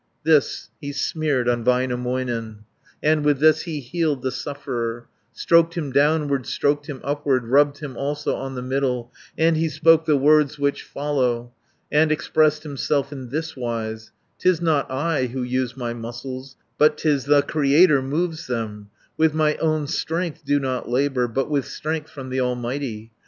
500 This he smeared on Väinämöinen, And with this he healed the sufferer; Stroked him downward, stroked him upward, Rubbed him also on the middle, And he spoke the words which follow, And expressed himself in this wise: "'Tis not I who use my muscles, But 'tis the Creator moves them; With my own strength do not labour, But with strength from the Almighty.